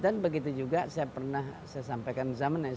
dan begitu juga saya pernah saya sampaikan zaman sba sendiri